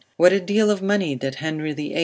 What a deal of money did Henry VIII.